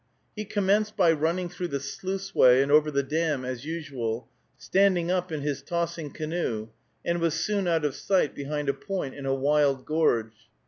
He commenced by running through the sluiceway and over the dam, as usual, standing up in his tossing canoe, and was soon out of sight behind a point in a wild gorge.